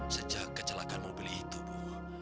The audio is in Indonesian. sejak kecelakaan mobil itu bu